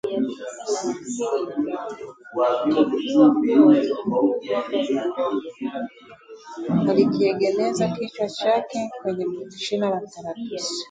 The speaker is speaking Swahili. Alikiegemeza kichwa chake kwenye shina la mkaratusi